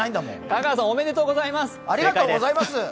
香川さん、おめでとうございます。